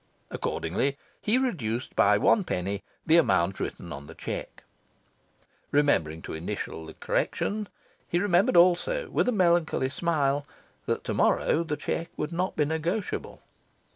Accordingly, he reduced by one penny the amount written on the cheque. Remembering to initial the correction, he remembered also, with a melancholy smile, that to morrow the cheque would not be negotiable.